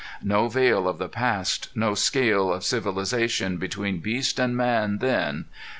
No veil of the past, no scale of civilization between beast and man then!